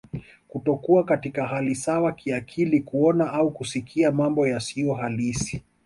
Kutokuwa katika hali sawa kiakili kuona au kusikia mambo yasiyohalisi